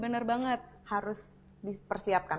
nah jadi harus dipersiapkan